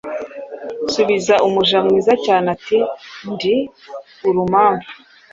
Subiza umuja mwiza cyane ati: 'Ndi urumamfu